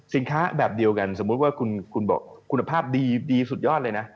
แบบเดียวกันสมมุติว่าคุณบอกคุณภาพดีสุดยอดเลยนะ